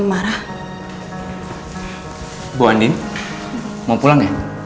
mau pulang ya